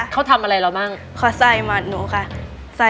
เขาทำอะไรเราบ้างเขาใส่หมัดหนูค่ะ